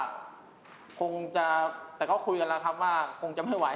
ก็คงจะแต่ก็คุยกันแล้วครับว่าคงจะไม่ไหว